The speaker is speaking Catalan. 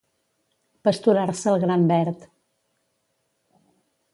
Pasturar-se el gran verd.